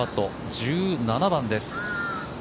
１７番です。